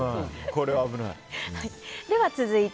これは危ない。